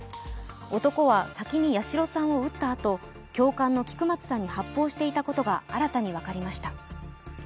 男は、先に八代さんを撃ったあと、教官の菊松さんに発砲していたことが新たに分かりました。